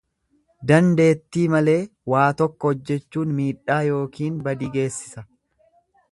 Dandeettii malee waa tokko hojjechuun miidhaa yookiin badii geessisa.